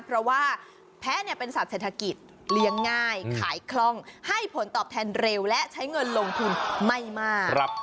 เพราะว่าแพ้เป็นสัตว์เศรษฐกิจเลี้ยงง่ายขายคล่องให้ผลตอบแทนเร็วและใช้เงินลงทุนไม่มาก